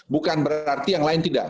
bukan berarti yang lain tidak